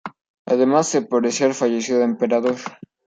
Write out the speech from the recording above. Además, se parecía al fallecido emperador.